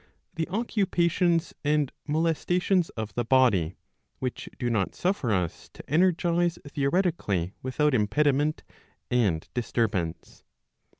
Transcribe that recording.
the occupations and molestations of the body, which do not suffer us to energize theoretically without impediment, and disturbance.